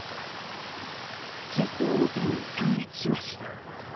追悼ミサに参列しました。